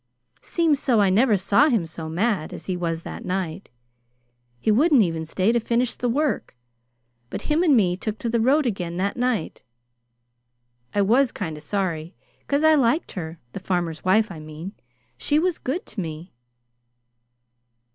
'Seems so I never saw him so mad as he was that night. He wouldn't even stay to finish the work, but him and me took to the road again that night. I was kind of sorry, 'cause I liked her the farmer's wife, I mean. She was good to me."